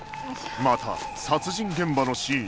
また殺人現場のシーンでは